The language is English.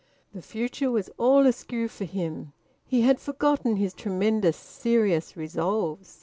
The future was all askew for him. He had forgotten his tremendous serious resolves.